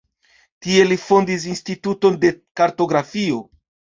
Tie li fondis instituton de kartografio.